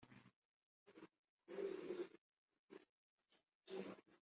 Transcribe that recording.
agahimbazamusyi ka pbf gakwiye kujya mubaturage